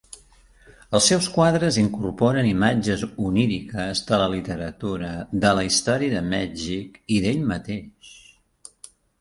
Els seus quadres incorporen imatges oníriques de la literatura, de la història de Mèxic i d'ell mateix.